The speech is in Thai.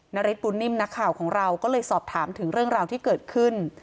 ฤทธบุญนิ่มนักข่าวของเราก็เลยสอบถามถึงเรื่องราวที่เกิดขึ้น